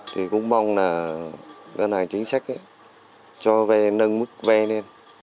thì cũng mong là ngân hàng chính sách cho ve nâng mức ve lên